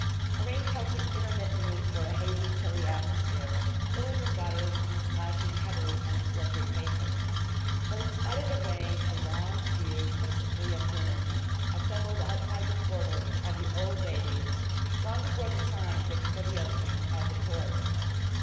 The rain pelted intermittently through a hazy, chilly atmosphere, filling the gutters and splashing heavily on the slippery pavements. But in spite of the rain a long queue, principally of women, assembled outside the portals of the Old Bailey long before the time fixed for the opening of the court.